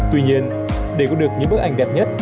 tuy nhiên để có được những bức ảnh đẹp nhất